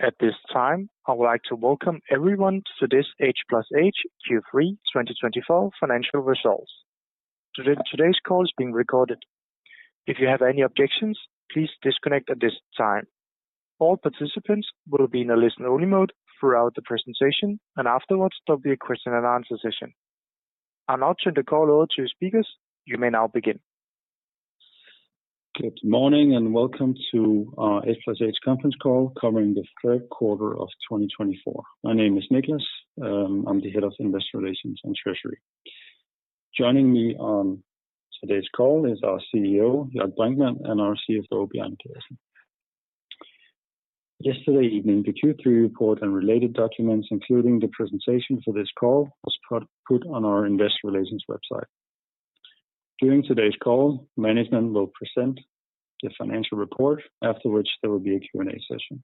At this time, I would like to welcome everyone to this H+H Q3 2024 financial results. Today's call is being recorded. If you have any objections, please disconnect at this time. All participants will be in a listen-only mode throughout the presentation, and afterwards, there will be a question-and-answer session. I'm now turning the call over to you, speakers. You may now begin. Good morning and welcome to our H+H conference call covering the third quarter of 2024. My name is Niclas. I'm the Head of Investor Relations and Treasury. Joining me on today's call is our CEO, Jörg Brinkmann; and our CFO, Bjarne Pedersen. Yesterday evening, the Q3 report and related documents, including the presentation for this call, were put on our Investor Relations website. During today's call, management will present the financial report, after which there will be a Q&A session.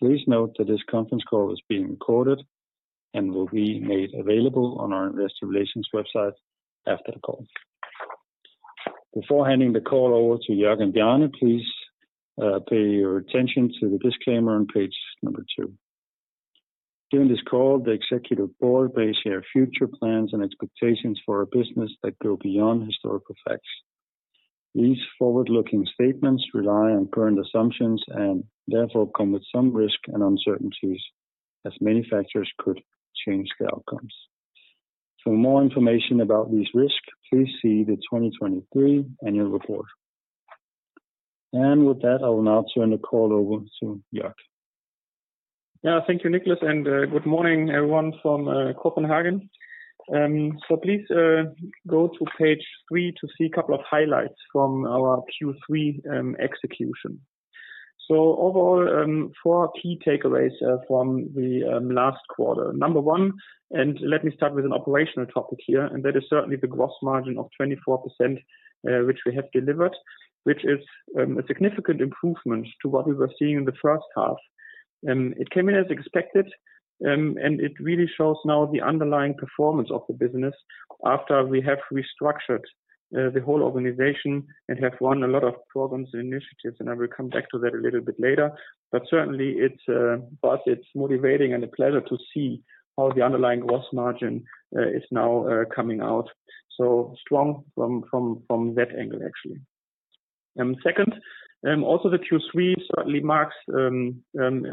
Please note that this conference call is being recorded and will be made available on our Investor Relations website after the call. Before handing the call over to Jörg and Bjarne, please pay your attention to the disclaimer on page number two. During this call, the executive board may share future plans and expectations for a business that go beyond historical facts. These forward-looking statements rely on current assumptions and therefore come with some risk and uncertainties, as many factors could change the outcomes. For more information about these risks, please see the 2023 Annual Report, and with that, I will now turn the call over to Jörg. Yeah, thank you, Niclas, and good morning, everyone from Copenhagen. So please go to page three to see a couple of highlights from our Q3 execution. So overall, four key takeaways from the last quarter. Number one, and let me start with an operational topic here, and that is certainly the gross margin of 24%, which we have delivered, which is a significant improvement to what we were seeing in the first half. It came in as expected, and it really shows now the underlying performance of the business after we have restructured the whole organization and have run a lot of programs and initiatives, and I will come back to that a little bit later. But certainly, it's motivating and a pleasure to see how the underlying gross margin is now coming out so strong from that angle, actually. Second, also the Q3 certainly marks a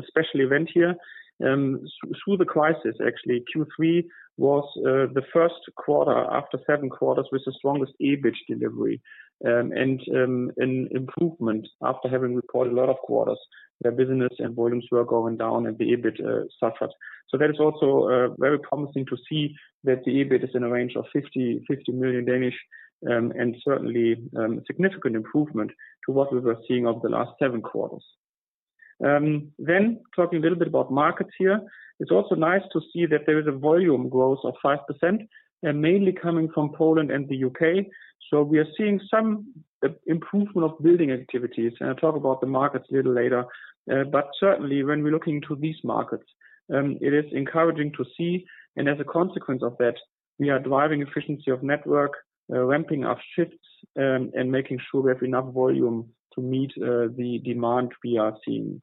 special event here. Through the crisis, actually, Q3 was the first quarter after seven quarters with the strongest EBIT delivery and an improvement after having reported a lot of quarters where business and volumes were going down and the EBIT suffered. So that is also very promising to see that the EBIT is in a range of 50 million and certainly a significant improvement to what we were seeing over the last seven quarters. Then, talking a little bit about markets here, it's also nice to see that there is a volume growth of 5%, mainly coming from Poland and the U.K. So we are seeing some improvement of building activities, and I'll talk about the markets a little later. But certainly, when we're looking into these markets, it is encouraging to see, and as a consequence of that, we are driving efficiency of network, ramping up shifts, and making sure we have enough volume to meet the demand we are seeing.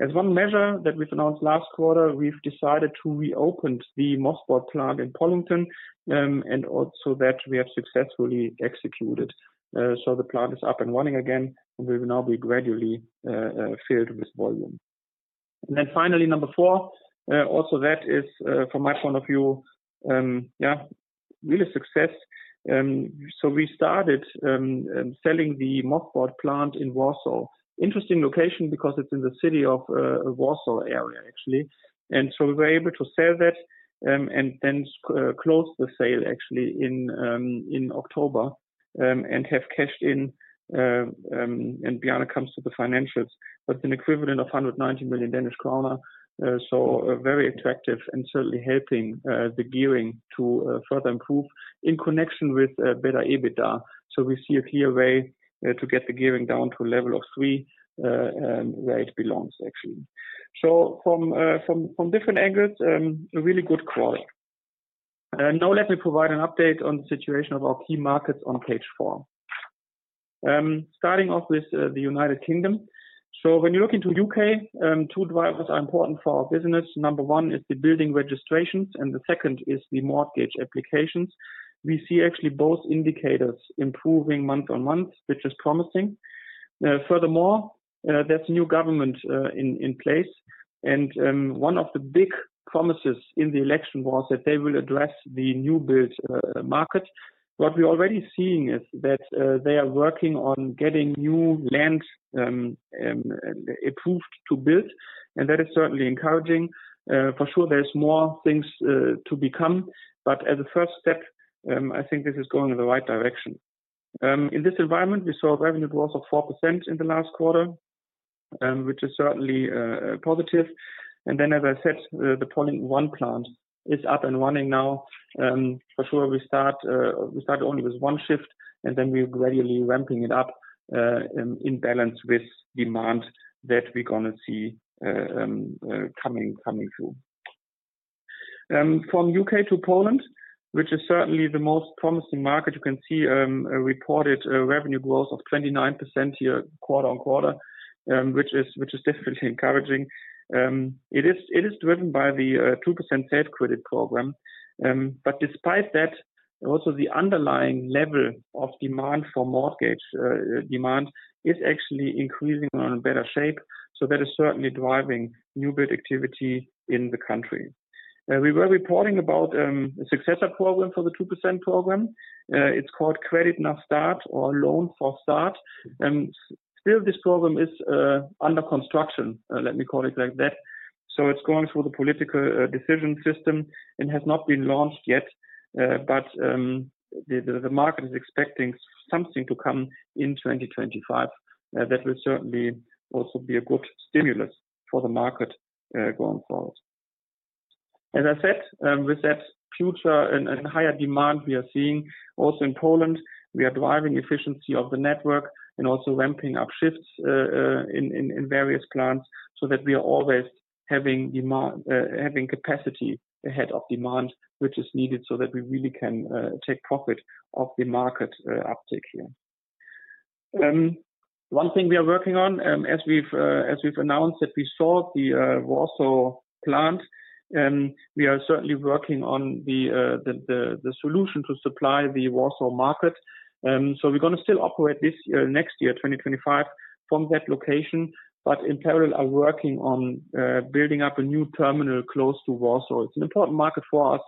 As one measure that we've announced last quarter, we've decided to reopen the mothballed plant in Pollington, and also that we have successfully executed. So the plant is up and running again, and we will now be gradually filled with volume. And then finally, number four, also that is, from my point of view, yeah, really a success. So we started selling the mothballed plant in Warsaw. Interesting location because it's in the city of Warsaw area, actually. And so we were able to sell that and then close the sale, actually, in October and have cashed in. Bjarne comes to the financials, but it's an equivalent of 190 million Danish kroner, so very attractive and certainly helping the gearing to further improve in connection with a better EBITDA. We see a clear way to get the gearing down to a level of three where it belongs, actually. From different angles, a really good quarter. Now let me provide an update on the situation of our key markets on page four. Starting off with the United Kingdom. When you look into the U.K., two drivers are important for our business. Number one is the building registrations, and the second is the mortgage applications. We see actually both indicators improving month on month, which is promising. Furthermore, there's a new government in place, and one of the big promises in the election was that they will address the new build market. What we're already seeing is that they are working on getting new land approved to build, and that is certainly encouraging. For sure, there's more things to become, but as a first step, I think this is going in the right direction. In this environment, we saw a revenue growth of 4% in the last quarter, which is certainly positive, and then, as I said, the Pollington I plant is up and running now. For sure, we started only with one shift, and then we're gradually ramping it up in balance with demand that we're going to see coming through. From U.K. to Poland, which is certainly the most promising market, you can see a reported revenue growth of 29% here quarter on quarter, which is definitely encouraging. It is driven by the 2% Safe Credit Program. But despite that, also the underlying level of demand for mortgage demand is actually increasing in a better shape. So that is certainly driving new build activity in the country. We were reporting about a successor program for the 2% program. It's called Kredyt na Start or Loan for Start. Still, this program is under construction, let me call it like that. So it's going through the political decision system. It has not been launched yet, but the market is expecting something to come in 2025 that will certainly also be a good stimulus for the market going forward. As I said, with that future and higher demand we are seeing also in Poland, we are driving efficiency of the network and also ramping up shifts in various plants so that we are always having capacity ahead of demand, which is needed so that we really can take profit of the market uptake here. One thing we are working on, as we've announced that we sold the Warsaw plant, we are certainly working on the solution to supply the Warsaw market. So we're going to still operate this year next year, 2025, from that location, but in parallel, I'm working on building up a new terminal close to Warsaw. It's an important market for us.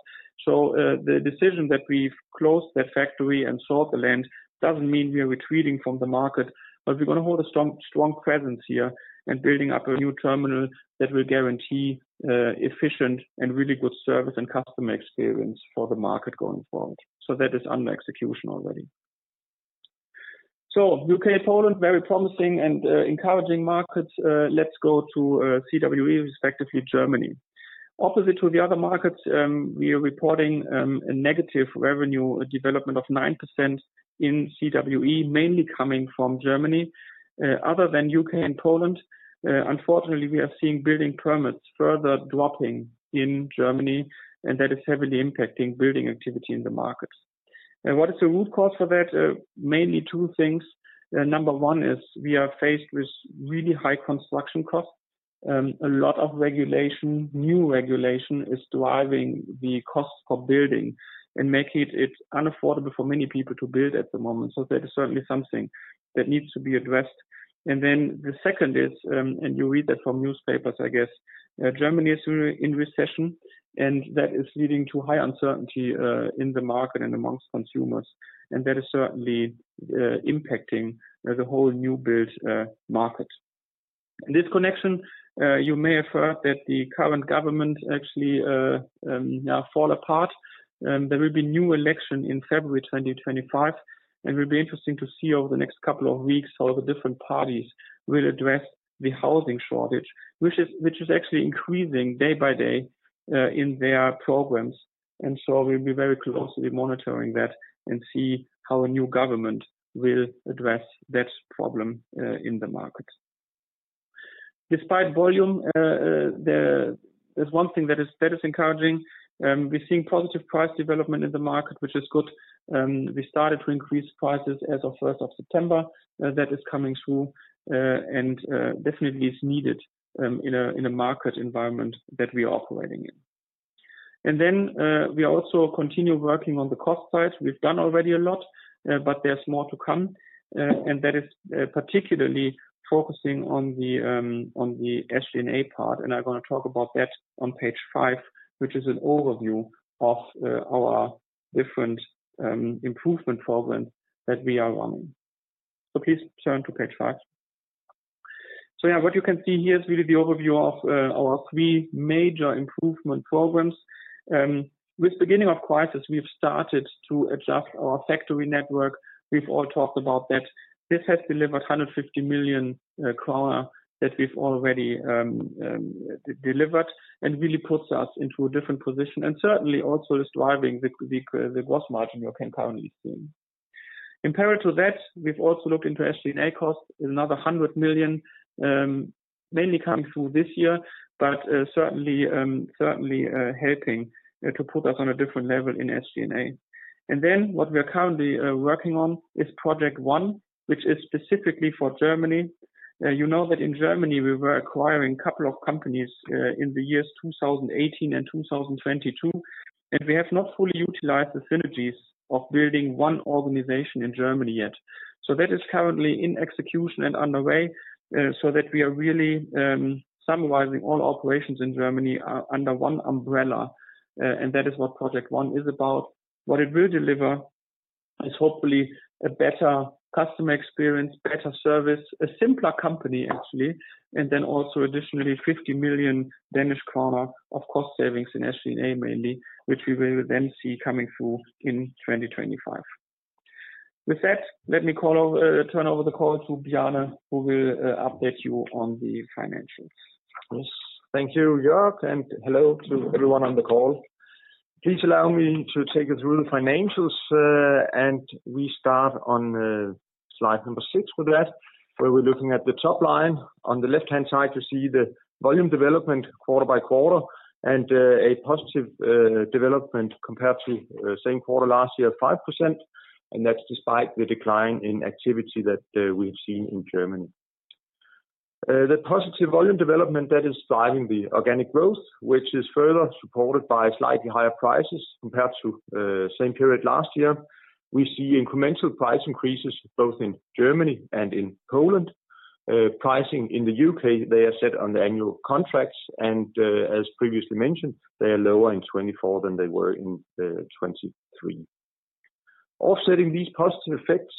The decision that we've closed that factory and sold the land doesn't mean we're retreating from the market, but we're going to hold a strong presence here and building up a new terminal that will guarantee efficient and really good service and customer experience for the market going forward. That is under execution already. U.K., Poland, very promising and encouraging markets. Let's go to CWE, respectively, Germany. Opposite to the other markets, we are reporting a negative revenue development of 9% in CWE, mainly coming from Germany. Other than U.K. and Poland, unfortunately, we are seeing building permits further dropping in Germany, and that is heavily impacting building activity in the markets. What is the root cause for that? Mainly two things. Number one is we are faced with really high construction costs. A lot of regulation, new regulation is driving the costs for building and making it unaffordable for many people to build at the moment. So that is certainly something that needs to be addressed, and then the second is, and you read that from newspapers, I guess, Germany is in recession, and that is leading to high uncertainty in the market and amongst consumers, and that is certainly impacting the whole new build market. This connection, you may have heard that the current government actually falls apart. There will be a new election in February 2025, and it will be interesting to see over the next couple of weeks how the different parties will address the housing shortage, which is actually increasing day by day in their programs, and so we'll be very closely monitoring that and see how a new government will address that problem in the market. Despite volume, there's one thing that is encouraging. We're seeing positive price development in the market, which is good. We started to increase prices as of 1st of September. That is coming through and definitely is needed in a market environment that we are operating in, and then we also continue working on the cost side. We've done already a lot, but there's more to come, and that is particularly focusing on the SG&A part, and I'm going to talk about that on page five, which is an overview of our different improvement programs that we are running, so please turn to page five. Yeah, what you can see here is really the overview of our three major improvement programs. With the beginning of crisis, we've started to adjust our factory network. We've all talked about that. This has delivered 150 million kroner that we've already delivered and really puts us into a different position and certainly also is driving the gross margin you can currently see. In parallel to that, we've also looked into SG&A costs, another 100 million, mainly coming through this year, but certainly helping to put us on a different level in SG&A, and then what we are currently working on is Project One, which is specifically for Germany. You know that in Germany, we were acquiring a couple of companies in the years 2018 and 2022, and we have not fully utilized the synergies of building one organization in Germany yet, so that is currently in execution and underway so that we are really summarizing all operations in Germany under one umbrella, and that is what Project One is about. What it will deliver is hopefully a better customer experience, better service, a simpler company, actually, and then also additionally 50 million Danish kroner of cost savings in SG&A mainly, which we will then see coming through in 2025. With that, let me turn over the call to Bjarne, who will update you on the financials. Yes, thank you, Jörg, and hello to everyone on the call. Please allow me to take you through the financials, and we start on slide number six with that, where we're looking at the top line. On the left-hand side, you see the volume development quarter by quarter and a positive development compared to the same quarter last year of 5%, and that's despite the decline in activity that we have seen in Germany. The positive volume development that is driving the organic growth, which is further supported by slightly higher prices compared to the same period last year. We see incremental price increases both in Germany and in Poland. Pricing in the U.K., they are set on the annual contracts, and as previously mentioned, they are lower in 2024 than they were in 2023. Offsetting these positive effects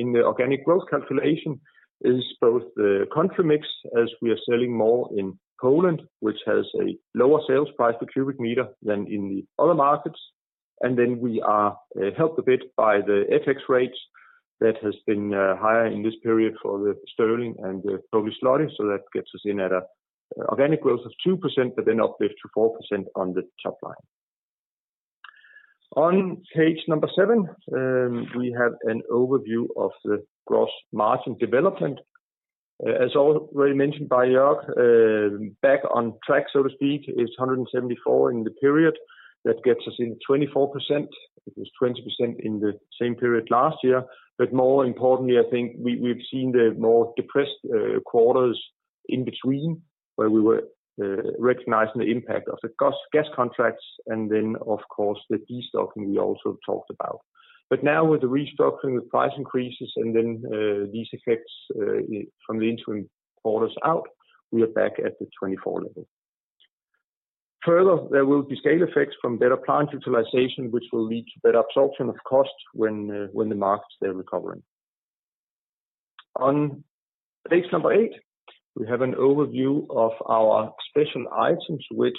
in the organic growth calculation is both the country mix, as we are selling more in Poland, which has a lower sales price per cubic meter than in the other markets, and then we are helped a bit by the FX rate that has been higher in this period for the sterling and the zloty, so that gets us in at an organic growth of 2%, but then uplift to 4% on the top line. On page number seven, we have an overview of the gross margin development. As already mentioned by Jörg, back on track, so to speak, is 174 in the period. That gets us in at 24%. It was 20% in the same period last year, but more importantly, I think we've seen the more depressed quarters in between where we were recognizing the impact of the gas contracts and then, of course, the destocking we also talked about. But now with the restocking, the price increases, and then these effects from the interim quarters out, we are back at the 24% level. Further, there will be scale effects from better plant utilization, which will lead to better absorption of cost when the markets are recovering. On page number eight, we have an overview of our special items, which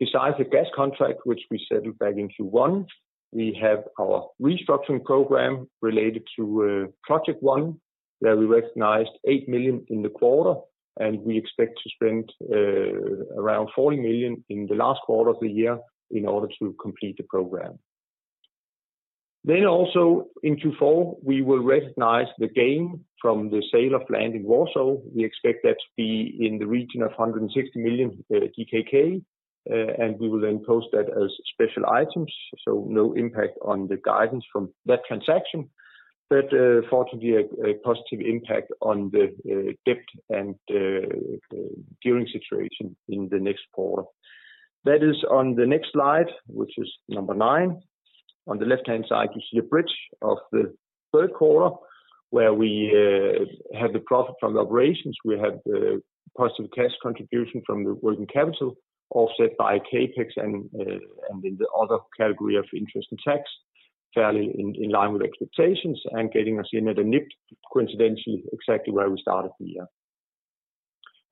besides the gas contract, which we settled back in Q1, we have our restructuring program related to Project One, where we recognized 8 million in the quarter, and we expect to spend around 40 million in the last quarter of the year in order to complete the program. Then also in Q4, we will recognize the gain from the sale of land in Warsaw. We expect that to be in the region of 160 million, and we will then post that as special items, so no impact on the guidance from that transaction, but fortunately, a positive impact on the debt and gearing situation in the next quarter. That is on the next slide, which is number nine. On the left-hand side, you see a bridge of the third quarter, where we have the profit from the operations. We have the positive cash contribution from the working capital offset by CAPEX and then the other category of interest and tax, fairly in line with expectations and getting us in at a NIBD, coincidentally exactly where we started the year.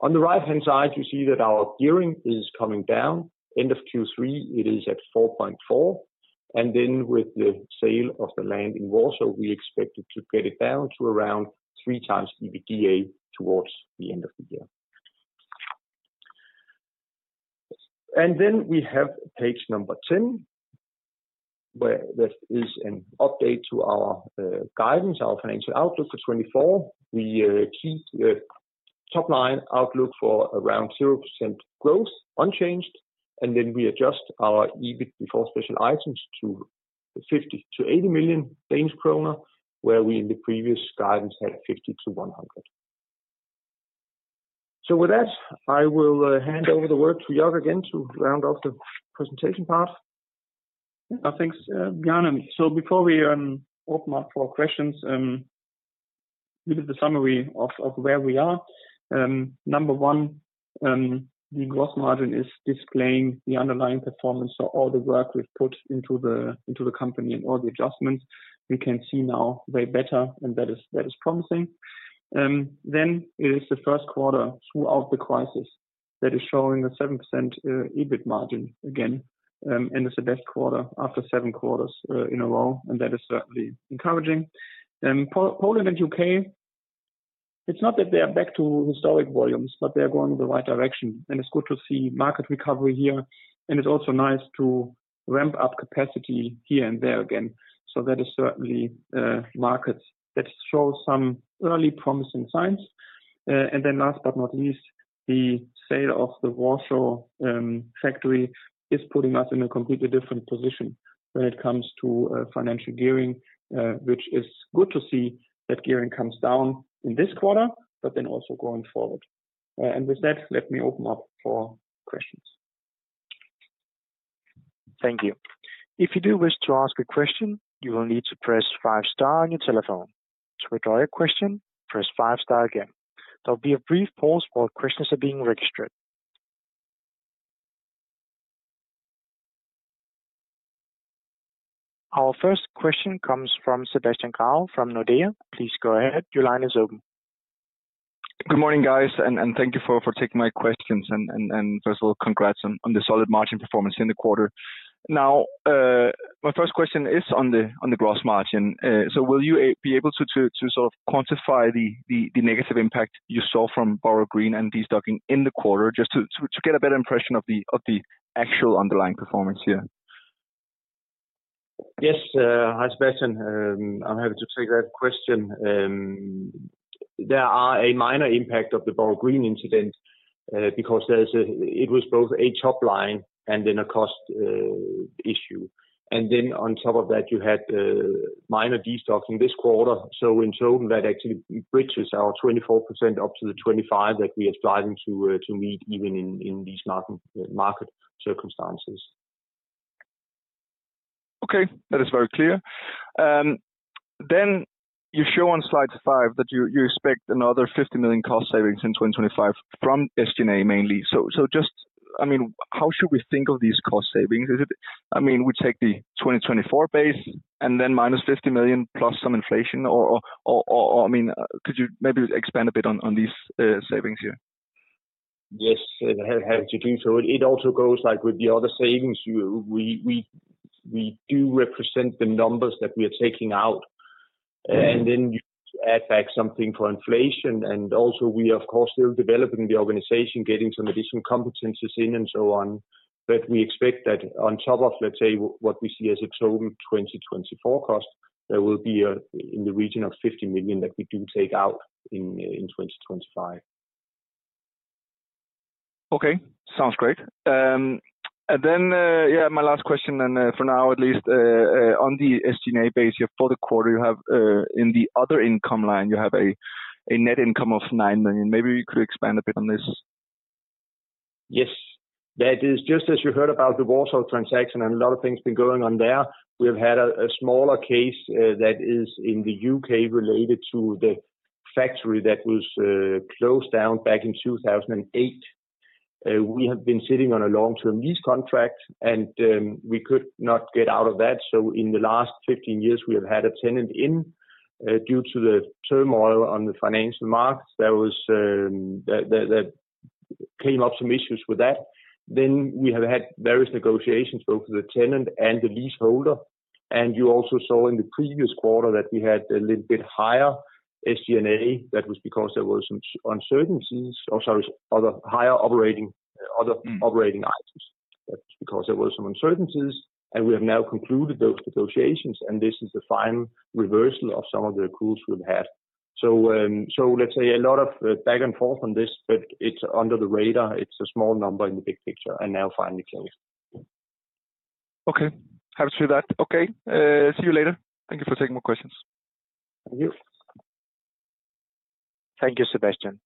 On the right-hand side, you see that our gearing is coming down. End of Q3, it is at 4.4, and then with the sale of the land in Warsaw, we expect it to get it down to around 3x EBITDA towards the end of the year. And then we have page number 10, where that is an update to our guidance, our financial outlook for 2024. We keep the top line outlook for around 0% growth, unchanged, and then we adjust our EBIT before special items to 50 million-80 million Danish kroner, where we in the previous guidance had 50 million-100 million. So with that, I will hand over the word to Jörg again to round off the presentation part. Thanks, Bjarne, so before we open up for questions, a little bit of a summary of where we are. Number one, the gross margin is displaying the underlying performance of all the work we've put into the company and all the adjustments. We can see now way better, and that is promising, then it is the first quarter throughout the crisis that is showing a 7% EBIT margin again, and it's the best quarter after seven quarters in a row, and that is certainly encouraging. Poland and U.K., it's not that they are back to historic volumes, but they are going in the right direction, and it's good to see market recovery here, and it's also nice to ramp up capacity here and there again, so that is certainly markets that show some early promising signs. And then last but not least, the sale of the Warsaw factory is putting us in a completely different position when it comes to financial gearing, which is good to see that gearing comes down in this quarter, but then also going forward. And with that, let me open up for questions. Thank you. If you do wish to ask a question, you will need to press five star on your telephone. To retry a question, press five star again. There'll be a brief pause while questions are being registered. Our first question comes from Sebastian Grau from Nordea. Please go ahead. Your line is open. Good morning, guys, and thank you for taking my questions. And first of all, congrats on the solid margin performance in the quarter. Now, my first question is on the gross margin. So will you be able to sort of quantify the negative impact you saw from Borough Green and destocking in the quarter just to get a better impression of the actual underlying performance here? Yes, Sebastian, I'm happy to take that question. There are a minor impact of the Borough Green incident because it was both a top line and then a cost issue. And then on top of that, you had minor destocking this quarter. So in total, that actually bridges our 24% up to the 25% that we are striving to meet even in these market circumstances. Okay, that is very clear. Then you show on slide five that you expect another 50 million cost savings in 2025 from SG&A mainly. So just, I mean, how should we think of these cost savings? I mean, we take the 2024 base and then -50 million plus some inflation, or I mean, could you maybe expand a bit on these savings here? Yes, I have to do so. It also goes like with the other savings. We do represent the numbers that we are taking out, and then you add back something for inflation. And also we, of course, still developing the organization, getting some additional competencies in and so on. But we expect that on top of, let's say, what we see as a total 2024 cost, there will be in the region of 50 million that we do take out in 2025. Okay, sounds great. And then, yeah, my last question, and for now at least, on the SG&A base here for the quarter, you have in the other income line, you have a net income of 9 million. Maybe you could expand a bit on this. Yes, that is just as you heard about the Warsaw transaction and a lot of things been going on there. We have had a smaller case that is in the U.K. related to the factory that was closed down back in 2008. We have been sitting on a long-term lease contract, and we could not get out of that. So in the last 15 years, we have had a tenant in due to the turmoil on the financial markets. There came up some issues with that. Then we have had various negotiations, both with the tenant and the leaseholder, and you also saw in the previous quarter that we had a little bit higher SG&A. That was because there were some uncertainties, or sorry, other higher operating items. That was because there were some uncertainties, and we have now concluded those negotiations, and this is the final reversal of some of the accruals we've had. So let's say a lot of back and forth on this, but it's under the radar. It's a small number in the big picture and now finally closed. Okay, happy to hear that. Okay, see you later. Thank you for taking my questions. Thank you. Thank you, Sebastian.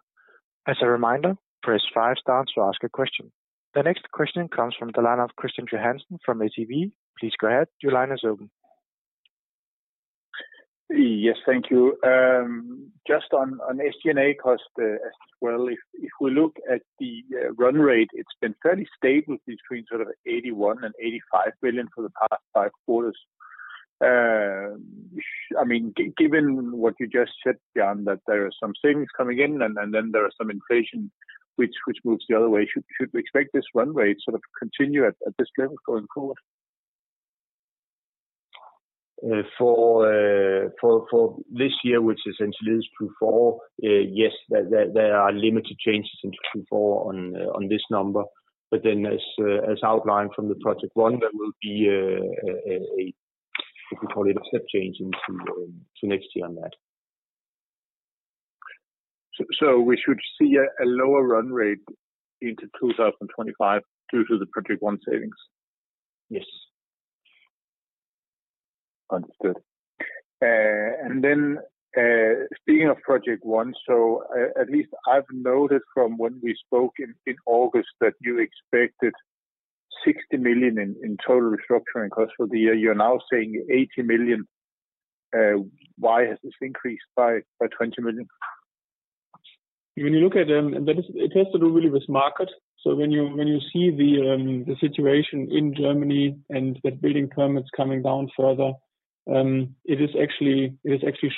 As a reminder, press five stars to ask a question. The next question comes from the line of Christian Johansen from ABG. Please go ahead. Your line is open. Yes, thank you. Just on SG&A cost as well, if we look at the run rate, it's been fairly stable between sort of 81 million and 85 million for the past five quarters. I mean, given what you just said, Bjarne, that there are some savings coming in and then there are some inflation which moves the other way, should we expect this run rate sort of continue at this level going forward? For this year, which essentially is Q4, yes, there are limited changes into Q4 on this number. But then, as outlined from Project One, there will be a, what we call it, a step change into next year on that. So we should see a lower run rate into 2025 due to the Project One savings? Yes. Understood. And then speaking of Project One, so at least I've noted from when we spoke in August that you expected 60 million in total restructuring cost for the year. You're now saying 80 million. Why has this increased by 20 million? When you look at them, it has to do really with market. So when you see the situation in Germany and that building permits coming down further, it is actually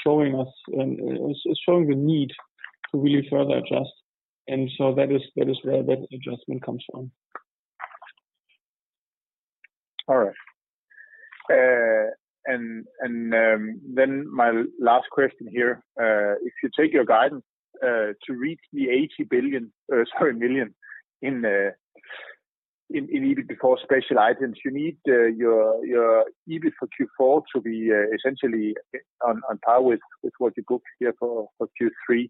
showing us, it's showing the need to really further adjust. And so that is where that adjustment comes from. All right. And then my last question here. If you take your guidance to reach the 80 billion, sorry, million in EBIT before special items, you need your EBIT for Q4 to be essentially on par with what you booked here for Q3.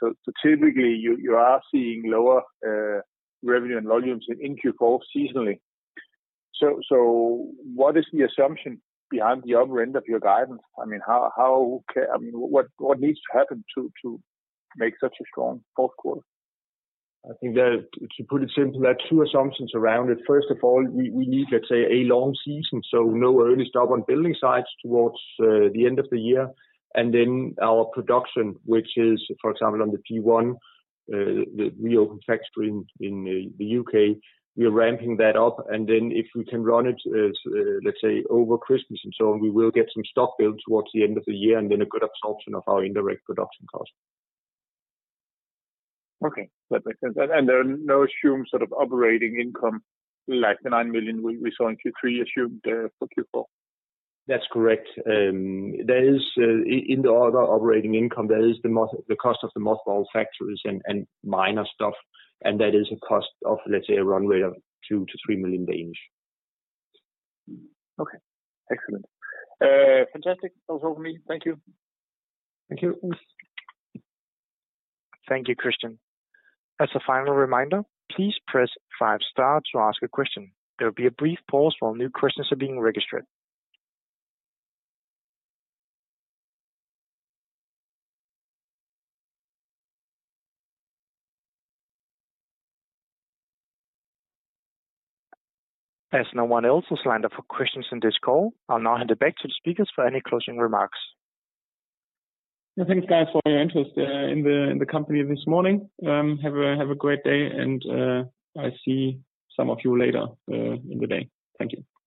So typically, you are seeing lower revenue and volumes in Q4 seasonally. So what is the assumption behind the upper end of your guidance? I mean, what needs to happen to make such a strong fourth quarter? I think to put it simply, there are two assumptions around it. First of all, we need, let's say, a long season, so no early stop on building sites towards the end of the year, and then our production, which is, for example, on the P1, the reopened factory in the U.K., we are ramping that up. And then if we can run it, let's say, over Christmas and so on, we will get some stock built towards the end of the year and then a good absorption of our indirect production cost. Okay, that makes sense. And there are no assumed sort of operating income like the 9 million we saw in Q3 assumed for Q4? That's correct. In the other operating income, there is the cost of the mothball factories and minor stuff, and that is a cost of, let's say, a run rate of 2-3 million. Okay, excellent. Fantastic. That was all from me. Thank you. Thank you. Thank you, Christian. As a final reminder, please press five star to ask a question. There will be a brief pause while new questions are being registered. As no one else has lined up for questions in this call, I'll now hand it back to the speakers for any closing remarks. Thanks, guys, for your interest in the company this morning. Have a great day, and I see some of you later in the day. Thank you.